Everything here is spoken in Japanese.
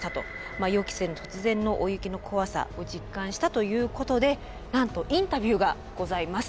予期せぬ突然の大雪の怖さを実感したということでなんとインタビューがございます。